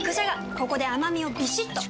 ここで甘みをビシッと！